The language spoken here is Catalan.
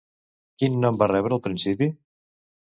Quin nom va rebre al principi?